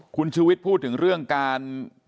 คุณชูวิทย์พูดถึงเรื่องการ